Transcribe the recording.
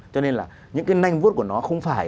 cho nên là những cái nanh vút của nó không phải